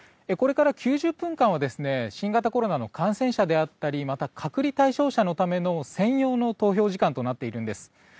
これから９０分間は新型コロナの感染者であったりまた、隔離対象者のための専用の投票時間となっているんです。